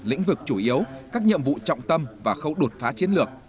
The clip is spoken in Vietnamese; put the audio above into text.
lĩnh vực chủ yếu các nhiệm vụ trọng tâm và khâu đột phá chiến lược